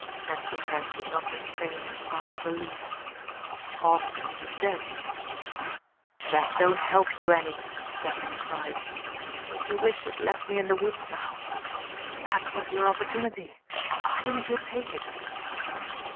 Anthony Trent could not restrain a sigh of relief. Austin was dead. "That don't help you any," Devlin cried. "Don't you wish you'd left me in the woods now? That was your opportunity. Why didn't you take it?"